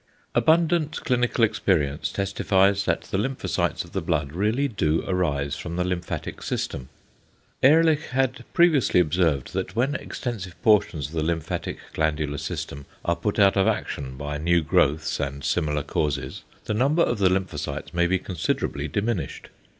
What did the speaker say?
Abundant clinical experience testifies that the lymphocytes of the blood really do arise from the lymphatic system. Ehrlich had previously observed that when extensive portions of the lymphatic glandular system are put out of action by new growths and similar causes, the number of the lymphocytes may be considerably diminished.